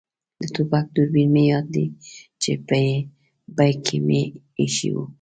د ټوپک دوربین مې یاد دی چې په بېک کې مې اېښی وو.